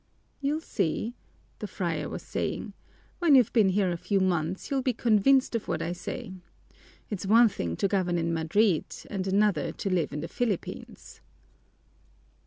"You'll see," the friar was saying, "when you've been here a few months you'll be convinced of what I say. It's one thing to govern in Madrid and another to live in the Philippines."